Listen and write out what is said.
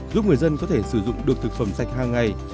giúp người dân có thể sử dụng được thực phẩm sạch hàng ngày